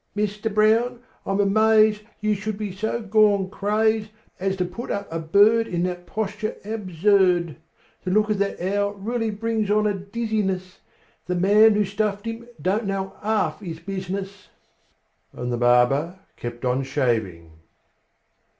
Mister Brown, I'm amazed You should be so gone crazed As to put up a bird In that posture absurd! To look at that owl really brings on a dizziness; The man who stuffed him don't half know his business!" And the barber kept on shaving.